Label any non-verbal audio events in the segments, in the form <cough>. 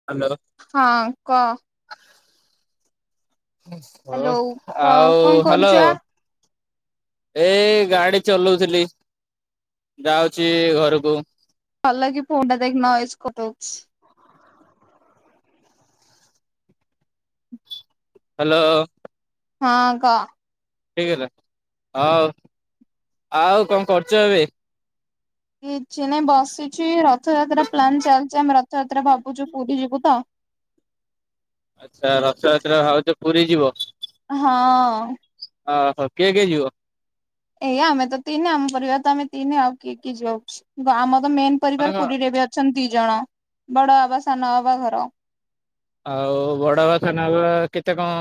<unintelligible> ହଁ କ। <inaudible> ହ ହ୍ୟାଲୋ କ ଆଉ କଣ ହାଲୋ। କରୁଛୁ ଆ ଏଇ ଗାଡି ଚଲଉଥିଲି, ଯାଉଚି ଘରକୁ। ଭଲକି ଫୋନ ଟା ଦେଖେ ନଏଜ କଟ ହଉଛି। ହାଲୋ। ହଁ କ। ହେଇ ଗଲା ହଉ ଆଉ କଁ କରୁଛ ଏବେ? କିଛି ନାଇଁ ବସିଛି ରଥଯାତ୍ରା ପ୍ଲାନ୍ ଚାଲିଛି ଆମେ ରଥଯାତ୍ରା ଭାବୁଛୁ ପୁରୀ ଯିବୁ ତ। ଆଛା ରଥଯାତ୍ରା ଭାବୁଛ ପୁରୀ ଯିବ। ହଁ। ଓହୋ କିଏ କିଏ ଯିବ? ଏଇଆ ଆମେ ତ ତିନି ଆମ ପରିବାର ତ ଆମେ ତିନି ଆଉ କିଏ କିଏ ଯାଉଛି ଆମର ତ ମେନ୍ ମାନେ ପରିବାର କଣ ପୁରୀରେ ବି ଅଛନ୍ତି ଦି ଜଣ ବଡ ବାବା ସାନ ବାବା ଘର। ଆଉ ବଡ ଆବା ସାନ ଆବା କେତେ କଁ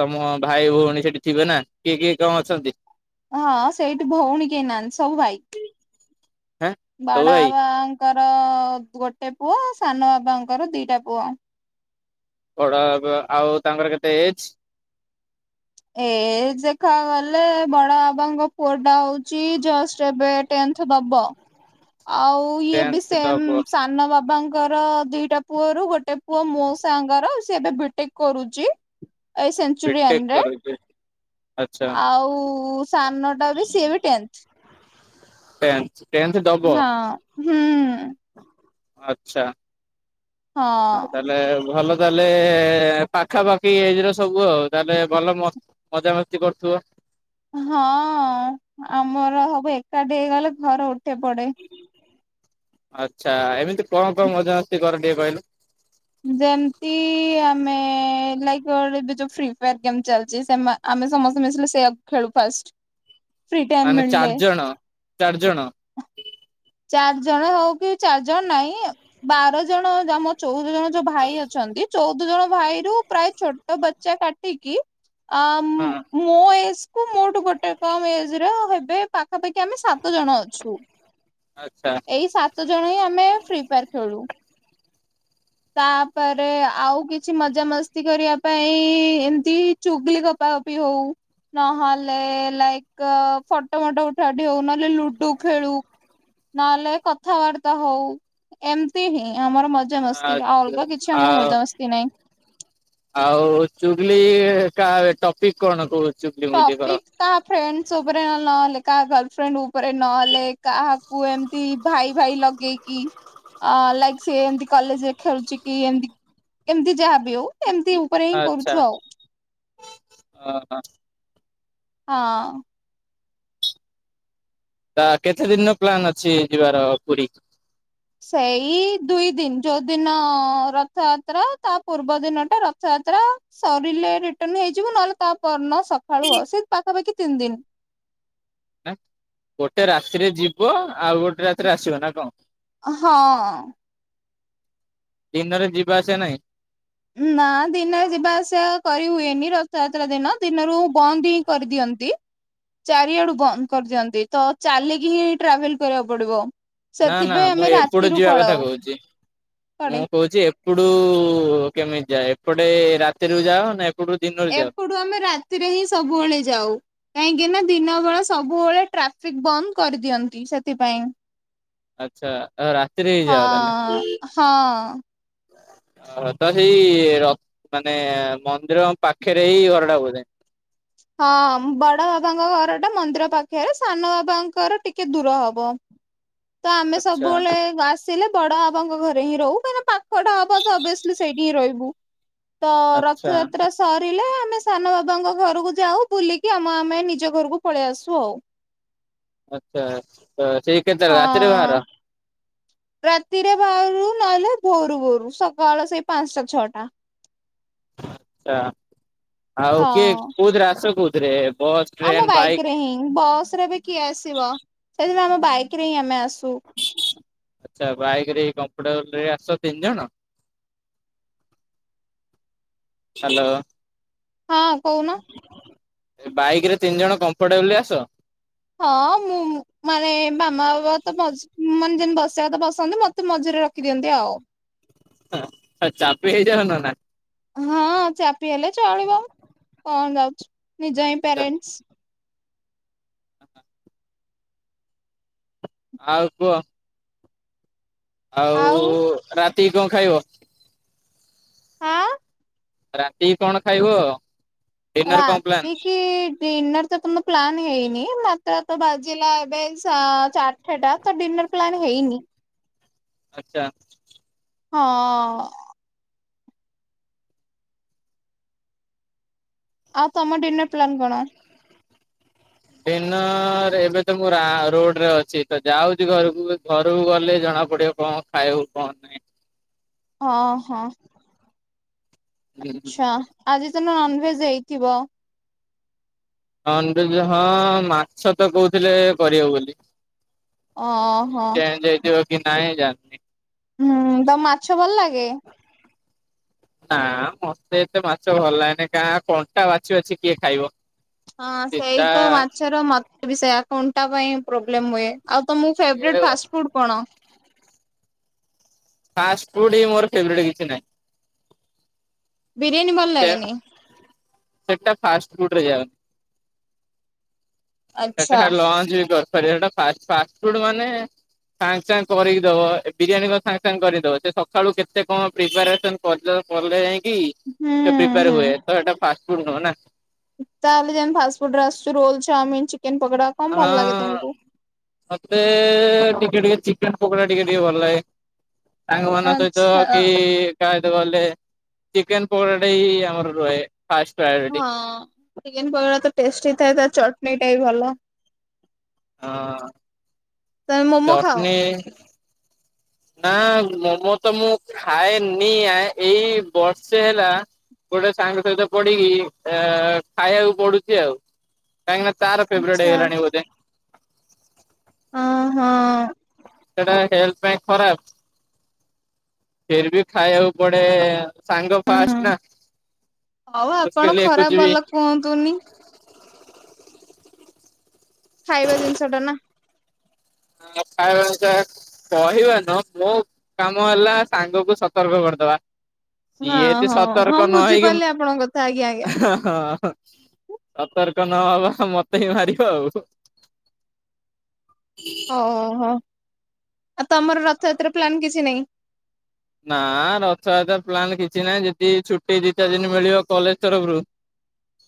ତମ ଭାଇ ଭଉଣୀ ସେଠି ଥିବେ ନା କିଏ କିଏ କଁ ଅଛନ୍ତି? ହଁ ସେଇଠି ଭଉଣୀ କେହି ନାହାନ୍ତି ସବୁ ଭାଇ। ହେଁ ସବୁ ବଡ ଭାଇ ବାବାଙ୍କର ଗୋଟେ ପୁଅ ସାନ ବାବାଙ୍କର ଦିଟା ପୁଅ। ବଡ ବାବା ଆଉ ତାଙ୍କର କେତେ ଏଜ? ଏଜ ଦେଖା ଗଲେ ବଡ ବାବାଙ୍କ ପୁଅ ଟା ହଉଛି ଜଷ୍ଟ ଏବେ ଟେନଥ ଦବ ଆଉ ଇଏ ବି ଟେନ୍ଥ ସେମ ଦବ ସାନ ବାବାଙ୍କର ଦିଟା ପୁଅରୁ ଗୋଟେ ପୁଅ ମୋ ସାଙ୍ଗର ସିଏ ଏବେ ବିଟେକ କରୁଛି। ଏଇ ସେନ୍ଚୁରିଅନ୍ ବିଟେକ୍ ରେ। କରୁଛି ଆଚ୍ଛା ଆଉ ସାନ ଟା ବି ସିଏ ବି ଟେନ୍ଥ। ଟେନ୍ଥ ଦବ ହଁ ହୁଁ ଆଚ୍ଛା। ଆଉ ହଁ। ଭଲ ତାହେଲେ ପାଖାପାଖି ଏଜ ର ସବୁ ଆଉ ତାହେଲେ ଭଲ ମ ମଜାମସ୍ତି କରୁଥିବ। ହଁ ଆମର ସବୁ ଏକାଠି ହେଇଗଲେ ଘର ଉଠେ ପଡେ। ଆଚ୍ଛା ଏମିତି କଁ କଁ ମଜା ମସ୍ତି କର ଟିକେ କହିଲ? ଯେମତି ଆମେ ଲାଇବେ ଯୋଉ ଫି ଫାର ଗେମ୍ ଚାଲିଛି ସେ ଆମେ ସମସ୍ତେ ମିଶିଲେ ସେଆକୁ ଖେଳୁ ଫାଷ୍ଟ ପୁରୀ ଟାଇମ୍ ମାନେ ମିଳିଲେ। ଚାରି ଜଣ ଚାରି ଜଣ। ଚାରି ଜଣ ହଉ କି ଚାରି ଜଣ ନାଇଁ। ବାର ଜଣ ଆମ ଚଉଦ ଜଣ ଯୋଉ ଭାଇ ଅଛନ୍ତି ଚଉଦ ଜଣ ଭାଇ ରୁ ପ୍ରାୟ ଛୋ ଛୋଟ ବଚା କାଟିକି ଆ ହଁ ମୋ ଏଜ କୁ ମୋଠୁ ଗୋଟେ କମ ଏଜରେ ହେବେ ପାଖାପାଖି ଆମେ ସାତ ଜଣ ଅଛୁ। ଆଚ୍ଛା। ଏଇ ସାତ ଜଣ ହିଁ ଆମେ ଫ୍ରି ଫାୟାର ଖେଳୁ। ତାପରେ ଆଉ କିଛି ମଜାମସ୍ତି କରିବା ପାଇଁ ଏମିତି ଚୁଗଲି ଗପା ଗପି ହଉ ନହେଲେ ଲାଇକ୍ ଫଟୋ ଫଟ ଉ ଠା ଉଠି ନହେଲେ ଲୁଡୁ ଖେଳୁ ନହେଲେ କ ଥାବାର୍ତ୍ତା ହଉ ଏମିତି ହିଁ ଆମର ମଜା ମସ୍ତି ଆଉ ଆଛା ଅଲଗା କିଛି ଆମର ଆଉ ମଜା ମସ୍ତି ନାହିଁ। ଆଉ ଚୁଗଲି କା ଟପିକ କଣ କହୁ ଚୁଗଲି ମୁୁଗଲି କର ଟାପିକ୍ କାହା ଫ୍ରେଣ୍ଡସ୍ ଉପରେ ନହେଲେ କାହା ଗର୍ଲଫ୍ରେଣ୍ଡ ଉପରେ ନହେଲେ କାହାକୁ ଏମ ଭାଇ ଭାଇ ଲଗେଇକି ଅ ଲାଇକ୍ ସିଏ ଏମିତି କଲେଜରେ ଖେଳୁଛି କି ଏମତି କେମିତି ଯାହାବି ହଉ ଏମିତି ଉପରେ ହିଁ ଆଚ୍ଛା କରୁଛୁ ଆଉ ଅ ହୋ। ହଁ। ତା କେତେ ଦିନର ପ୍ଲାନ ଅଛି ଯିବାର ପୁରୀ? ସେଇ ଦୁଇ ଦିନ ଯୋଉଦିନ ରଥଯାତ୍ରା ତା ପୂର୍ବ ଦିନଟା ରଥଯାତ୍ରା। ସରିଲେ ରିଟର୍ନ ହେଇଯିବୁ ନହେଲେ ତା ପରଦିନ ସକାଳୁ ବସ୍ ସେଇ ପାଖାପାଖି ତିନି ଦିନ। ନା ଗୋଟେ ରାତିରେ ଯିବ ଆଉ ଗୋଟେ ରାତିରେ ଆସିବ ନା କଣ? ହଁ। ଦିନରେ ଯିବା ଆସିଆ ନାହିଁ। ନା ଦିନରେ ଯିବା ଆସିବା କରିହୁଏନି ରଥଯାତ୍ରା ଦିନ ଦିନରୁ ବନ୍ଦ ହିଁ କରିଦିଅନ୍ତି। ଚାରିଆଡୁ ବନ୍ଦ କରିଦିଅନ୍ତି ତ ଚାଲିକି ହିଁ ଟ୍ରାଭେଲ କରିବାକୁ ପଡିବ। ନା ନା ସେଥିପାଇଁ ଆମେ ମୁଁ ଏପଟେ ରାତିରୁ ଯିବା କଥା ପଳାଉ କହୁଛି ପଡେ ମୁଁ କହୁଛି ଏପଟୁ କେମିତି ଯାଏ ଏପଟେ ରାତିରୁ ଯାଅ ନା ଏପଟୁ ଦିନରୁ ଯାଅ। ପଟୁ ଆମେ ରାତିରେ ହିଁ ସବୁବେଳେ ଯାଉ। କାହିଁକି ନା ଦିନ ବେଳେ ସବୁବେଳେ ଟ୍ରାଫିକ ବନ୍ଦ କରିଦିଅନ୍ତି ସେଥିପାଇଁ। ଆଚ୍ଛା ରାତିରେ ହିଁ ଯାଅ ତାହେଲେ ହଁ ହଁ। ଓହୋ ତ ସେଇ ର ମାନେ ମନ୍ଦିରଙ୍କ ପାଖରେ ହିଁ ଘରଟା ବୋଧେ। ହଁ ବଡ ବାବାଙ୍କ ଘର ଟା ମନ୍ଦିର ପାଖରେ ସାନ ବାବାଙ୍କର ଟିକେ ଦୂର ହବ। ତ ଆମେ ଆଚ୍ଛା ସବୁବେଳେ ଆସ୍ ଆସିଲେ ବଡ ବାବାଙ୍କ ଘରେ ହିଁ ରହୁ କାହିଁକି ନା ପାଖଟା ହବ ତ ଅବ୍‌ଇଏସ୍‌ଲି ସେଇଠି ହିଁ ରହିବୁ। ତ ଆଚ୍ଛା ରଥଯାତ୍ରା ସରିଲେ ଆମେ ସାନ ବାବାଙ୍କ ଘରକୁ ଯାଉ ବୁଲିକି ଆମ ଆମେ ନିଜ ଘରକୁ ପଳେଇ ଆସୁ ଆଉ। ଆଚ୍ଛା ତ ସେଇ କେତେ ରାତିରେ ହଁ। ବାହାର। ରାତିରେ ବାହାରୁ ନହେଲେ ଭୋରୁ ଭୋରୁ ସକାଳ ସେଇ ପାଞ୍ଚଟା ଛଅଟା। ଆଛା ଆଉ କିଏ ହଁ କୋଉଥିରେ ଆସ କୋଉଥିରେ ଏ ବସ୍। ଆମ ଟ୍ରେନ ବାଇକ ବାଇକ୍ ରେ ହିଁ ବସ୍ ରେ ବି କିଏ ଆସିବ ସେଥିପାଇଁ ଆମ ବାଇକ ରେ ହିଁ ଆମେ ଆସୁ। ଆଚ୍ଛା ବାଇକ ରେ କମ୍ଫୋଟେବୁଲ ରେ ଆସ ତିନିଜଣ। ହ୍ୟାଲୋ। ହଁ କହୁନ। ବାଇକ ରେ ତିନି ଜଣ କମ୍ଫର୍ଟେବୁଲ ରେ ଆସ। ହଁ ମୁଁ ମାନେ ମାମା ବାବା ତ ମଝି ମାନେ ଯେମିତି ବସିବା କଥା ତ ବସନ୍ତି ମତେ ମଝିରେ ରଖିଦିଅନ୍ତି ଆଉ। ଚାପି ହେଇଯାଅ ନ ନା। ହଁ ଚାପି ହେଲେ ଚଳିବ କଣ ଯାଉଛି ନିଜ ହିଁ ଆଚ୍ଛା ପ୍ୟାରେଣ୍ଟସ୍। ଆଉ କୁହ। ଆଉ ରାତିକି କଣ ଖାଇବ? ହାଁ। ରାତିକି କଣ ଖାଇବ? ଡିନର କଣ ପ୍ଲାନ୍? ରାତି କି? ଡିନର ତ ଏ ପର୍ଯ୍ୟନ୍ତ ପ୍ଲାନ୍ ହେଇନି ମାତ୍ର ତ ବାଜିିଲା ଏବେ ସା ତ ଡିନର ପ୍ଲାନ୍ ହେଇନି। ଆଚ୍ଛା। ହଁ। ଆଉ ତମ ଡିନର ପ୍ଲାନ କଣ? ଡିନର ଏବେ ତ ମୁଁ ରା ରୋଡରେ ଅଛି ତ ଯାଉଛି ଘରକୁ। ଘରକୁ ଗଲେ ଜଣା ପଡିବ କଣ? ଖାଇବାକୁ କଣ? ହଁ-ହଁ। ଆଚ୍ଛା, ଆଜି ତାହାଲେ ନନଭେଜ୍ ହେଇଥିବ? ନନଭେଜ୍ ହଁ, ମାଛ ତ କହୁଥିଲେ କରିବ ବୋଲି। ଓହୋ ଚେଞ୍ଜ ହେଇଥିବ କି ନାଇଁ ଜାଣିନି। ହୁଁ ତମକୁ ମାଛ ଭଲ ଲାଗେ? ନାଁ, ମତେ ଏତେ ମାଛ ଭଲ ଲାଗେନି, କାରଣ କଣ୍ଟା ବାଛି-ବାଛି କିଏ ଖାଇବ? ହଁ ସିଧା ସେଇତ ମାଛର ମତେ ବି ସେୟା କଣ୍ଟା ପାଇଁ ପ୍ରୋବ୍ଲେମ୍ ହୁଏ। ଆଉ ତମକୁ ଫେବରେଟ୍ ଫାଷ୍ଟଫୁଡ୍ କଣ? ଫାଷ୍ଟଫୁଡ୍ ହିଁ ମୋର ଫେବରେଟ୍ କିଛି ନାହିଁ। ବିରିୟାନୀ ଭଲ୍ ଲାଗେନି? ସେଇଟା ଫାଷ୍ଟଫୁଡ୍ ରେ ଯାଉନି। ଆଚ୍ଛା। ସେଟା ଲଞ୍ଚ ବି କରିପାରିବ, ହେଟା ଫାଷ୍ଟଫୁଡ୍ ମାନେ ସାଙ୍ଗେ ସାଙ୍ଗେ କରିକି ଦବ, ବିରିୟାନୀ କଣ ସାଙ୍ଗେ ସାଙ୍ଗେ କରିକିଦବ। ସେ ସକାଳୁ କେତେ କଣ ପ୍ରିପାରେସନ୍ ସଜ କଲେ ଯାଇଁକି ହୁଁ ସେ ପ୍ରିପାର୍ ହୁଁ ହୁଏ, ତ ହେଟା ଫାଷ୍ଟଫୁଡ ନୁହଁ ନା। ତାହେଲେ ଯେମିତି ଫାଷ୍ଟଫୁଡ୍ ରେ ଆସୁଚି ରୋଲ୍, ଚାଉମିନ୍, ଚିକେନ ପକୋଡ଼ା। ହଁ ମତେ ଟିକେ-ଟିକେ ଚିକେନ୍ ପୋକୋଡ଼ା ଟିକେ-ଟିକେ ଭଲ୍ ଲାଗେ। ସାଙ୍ଗ ମାନଙ୍କ ସହିତ ଆଚ୍ଛା। କି କାହା ସହିତ ଗଲେ ଚିକେନ୍ ପକୋଡ଼ାଟା ହିଁ ଆମର ରୁହେ। ଫାଷ୍ଟ ପ୍ରାୟର୍। ହଁ ଚିକେନ୍ ପକୋଡ଼ା ତ ଟେଷ୍ଟି ଥାଏ ତା ଚଟନୀ ଟା ବି ଭଲ। ହଁ। ତମେ ମୋମୋ ଖାଅ? ଚଟନି। ନା ମୋମୋ ତ ମୁଁ ଖାଏନି। ଆ ଏଇ ବର୍ଷେ ହେଲା ଗୋଟେ ସାଙ୍ଗ ସହିତ ପଡିକି ଅ ଖାଇବାକୁ ପଡୁଚି ଆଉ। କାହିଁକିନା ତାର ଫେବରେଟ୍ ଆଚ୍ଛା ହେଇଗଲାଣି ବୋଧେ? ହଁ-ହଁ। ସେଇଟା ହେଲ୍ଥ ପାଇଁ ଖରାପ୍। ଫିରବି ଖାଇବାକୁ ପଡେ ସାଙ୍ଗ ଫାଷ୍ଟ ନା। ହଉ ଆପଣ ଖରାପ୍ ଭଲ କୁହନ୍ତୁନି। ଖାଇବା ଜିନିଷଟା ନା। <unintelligible> କହିବା ନୁହଁ? ମୋ କାମ ହେଲା, ସାଙ୍ଗକୁ ସତର୍କ କରିଦବା। ହଁ ସିଏ ଦି ହଁ ହଁ ସତର୍କ ନ ହେଇକିମ୍ ବୁଝିପାରିଲି ଆପଣଙ୍କ କଥା ଆଜ୍ଞା ଆଜ୍ଞା। ଅଂ ହଁ, ହଁ। ସତର୍କ ନହବ ମତେ ହିଁ ମାରିବ ଆଉ। ଓହୋ! ଆଉ ତମର ରଥଯାତ୍ରା ପ୍ଲାନ୍ କିଛି ନାହିଁ? ନା ରଥଯାତ୍ରା ପ୍ଲାନ୍ କିଛି ନାହିଁ, ଯଦି ଛୁଟି ଦି ଚାରି ଦିନ ମିଳିବ କଲେଜ୍ ତରଫରୁ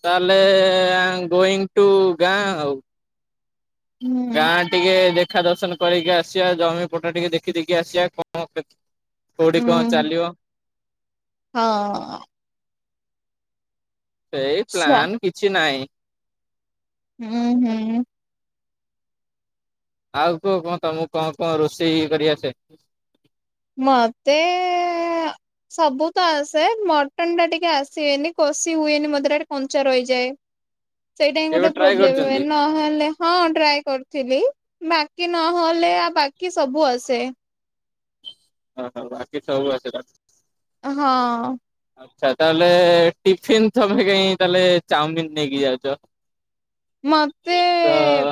ତାହେଲେଁ -ଏଁ ଗୋଇଙ୍ଗ୍ ଟୁ ଗାଁ ଆଉ। ଉଁ ଗାଁ ଟିକେ ଦେଖା ଦର୍ଶନ କରେଇକି ଆସିବା, ଜମି ପଟା ଟିକେ ଦେଖି ଦେଖି ଆସିବା, କଣ କେ କୋଉଠି କଣ ଚାଲିବ? ହଁ। ସେଇ ପ୍ଲାନ୍ କିଛି ନାହିଁ। ହୁଁ-ହୁଁ। ଆଉ କୁହ କଣ ତମକୁ କଣ-କଣ ରୋଷେଇ କରିଆସେ? ମତେ-ଏଁ-ଅ ସବୁ ତ ଆସେ, ମଟନ୍ ଟା ଟିକେ ଆସେନି କଷି ହୁଏନି ମୋ ଦ୍ୱରା କଞ୍ଚା ରହିଯାଏ। ସେଇଟା ହିଁ କେବେ ଗୋଟେ ଟ୍ରାଏ ପ୍ରୋବ୍ଲେମ୍ ହୁଏ, କରିଛନ୍ତି ନହେଲେ ହଁ ଟ୍ରାଏ କରିଥିଲି ବାକି ନହେଲେ, ଆଉ ବାକି ସବୁ ଆସେ। ଅହ ବାକି ସବୁ ଆସେ <unintelligible> ଆଁ ହଁ। ଆଛା, ତାହେଲେ ଟିଫିିନ୍ ଥମେ କାଇଁ ତାହେଲେ ଚାଓମିିନ ନେଇକି ଯାଉଚ? ମତେ-ଏଁ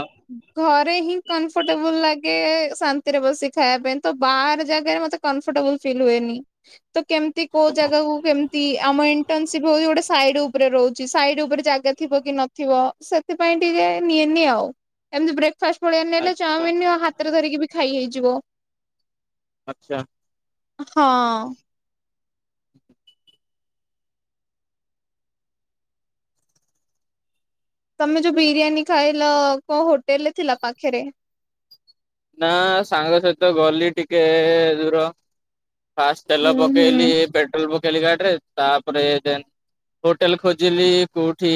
ଘରେ ହିଁ କମ୍ଫର୍ଟେବୁଲ ଲାଗେ ଶାନ୍ତିରେ ବସି ଖାଇବା ପାଇଁ। ତ ବାହାର ଜାଗାରେ ମତେ କମ୍ପଫର୍ଟବଲ ଫିଲ୍ ହୁଏନି। ତ କେମିତି କୋଉ ଜାଗାକୁ କେମିତି ଆମ ଇଣ୍ଟର୍ନସିପ ହଉଛି ଗୋଟେ ସାଇଡ଼୍ ଉପରେ ରହୁଚି, ସାଇଡ୍ ଉପରେ ଜାଗା ଥିବ କି ନଥିବ ସେଥ୍ ସେଥିପାଇ ଟିକେ ନିଏନି ଆଉ। ଏମିତି ବ୍ରେକ୍ଫାଷ୍ଟ ଭଳିଆ ନେଲେ ଆଚ୍ଛା ଚାଓମିନ ହା ତରେ ଧରିକି ବି ଖାଇ ହେଇଯିବ। ଆଚ୍ଚା। ହଁ। ତମେ ଯୋଉ ବିରିୟାନୀ ଖାଇଲ କଉ ହୋଟେଲ୍ ଥିଲା ପାଖରେ? ନା, ସାଙ୍ଗ ସହିତ ଗଲି ଟିକେ-ଏ ଦୂର। ଫାଷ୍ଟ୍ ତେଲ ଉୁଁ ହୁଁ। ପକେଇଲି, ପେଟ୍ରୋଲ ପକେଇଲି ଗାଡିରେ। ତା'ପରେ ଯେନ୍ ହୋଟେଲ୍ ଖୋଜିଲି କୋଉଠି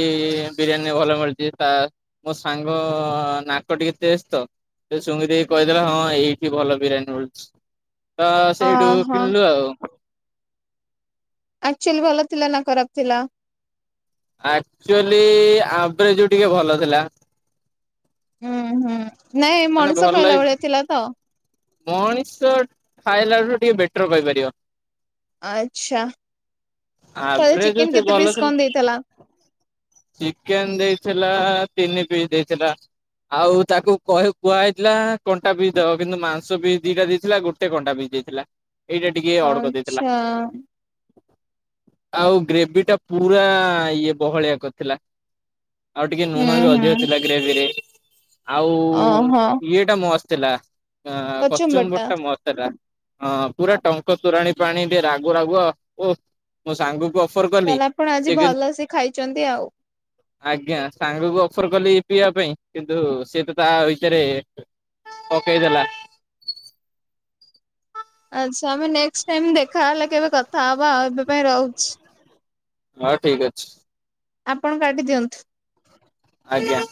ବିରିୟାନୀ ଭଲ ମିଳୁଚି ତା ମୋ ସାଙ୍ଗ ନାକ ଟିକେ ତେଜ୍ ତ, ସେ ସୁଙ୍ଗି ଦେଇ କହିଦେଲା ହଁ, ଏଇଠି ଭଲ ବିରିୟାନୀ ମିଳୁଚି ତ, ସେଇଠୁ ଓହୋ କିଣିଲୁ ଆଉ। ଆକ୍ଚୁଆଲି ଭଲ ଥିଲା ନା ଖରାପ ଥିଲା? ଆକ୍ଚୁଆଲି! ଆଭରେଜ୍ ରୁ ଟିକେ ଭଲ ଥିଲା। ଉଁ, ହୁଁ, ନାଇଁ ମାନେ ମଣିଷ ଭଲ ଖାଇଲା ଭଳିଆ ଥିଲା ତ? ମଣିଷ ଖାଇଲା ଠୁ ଟିକେ ବେଟର୍ କହିପାରିବ। ଆଚ୍ଛା ତାହେଲେ ଆଭ୍ରେଜ୍ ରୁ ଚିକେନ ସେ କେତେ ଭଲ ପିସ୍ କଣ ଥିଲ୍ ଦେଇଥିଲା? ଚିକେନ ଦେଇଥିଲା, ତିନି ପିସ୍ ଦେଇଥିଲା। ଆଉ ତାକୁ କହି କୁହାହେଇଥିଲା କଣ୍ଟା ପିସ୍ ଦବା କିନ୍ତୁ ମାଂ ସ ପିସ୍ ଦିଟା ଦେଇଥିଲା ଗୋଟେ କଣ୍ଟା ପିସ୍ ଦେଇଥିଲା। ଏଇଟା ଟିକେ ଅଡ୍ କରି ଦେଇଥିଲା। ଆଚ୍ଛା ଆଉ ଗ୍ରେଭିଟା ପୁରାଁ ଇଏଁ ବହଳିଆ କରିଥିଲା। ଆଉ ଟିକେ ହୁଁ ନୁଣ ବି ହୁଁ ଅଧିକ ଥିଲା ଗ୍ରେଭିରେ। ଆଉ ଓହୋ। ଇଏ ଟା ମସ୍ତ୍ ଥିଲା ଅ କଚୁମ୍ବର ପଶ୍ଚିମ ଟା ପଟଟା ମସ୍ତ୍ ଥିଲା। ପୁରା ଆଉ ଟଙ୍କ୍ ଟଙ୍କତୋରାଣୀ ପାଣି ଟିକେ ରାଗୁ ରାଗୁଆ ଓଃ ମୋ ସାଙ୍ଗକୁ ଅଫର କଲି ତାହେଲେ ଆପଣ ସେ ଆଜି କିନ୍ତୁ ଭଲସେ ଖାଇଚନ୍ତି ଆଉ। ଆଜ୍ଞା ସାଙ୍ଗକୁ ଅଫର କଲି ପିଇବା ପାଇଁ କିନ୍ତୁ ସିଏ ତ ତା ଭିତରେ ପକେଇ ଦେଲା। ଆଚ୍ଛା ଆମେ ନେକ୍ସଟ୍ ଟାଇମ୍ ଦେଖାହଲେ କେବେ କଥା ହବା ଏବେ ପାଇଁ ରହୁଚି। ହଁ ଠିକ୍ ଅଛି। ଆପଣ କାଟିି ଦିଅନ୍ତୁ। ଆଜ୍ଞା।